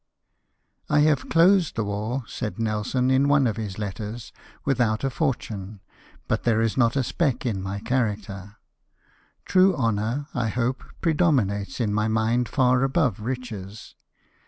" I HAVE closed tlie war/' said Nelson, in one of his letters, "without a fortune, but there is not a speck in my character. True honour, I hope, predominates in my mind far above riches."